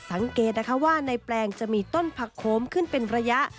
สังเกตนะคะว่าในแปลงจะมีต้นผักโขมขึ้นเป็นระยะ